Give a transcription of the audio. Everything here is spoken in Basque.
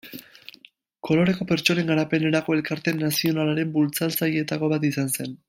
Koloreko Pertsonen Garapenerako Elkarte Nazionalaren bultzatzaileetako bat izan zen.